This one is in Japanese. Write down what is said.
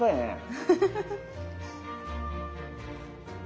フフフフフ。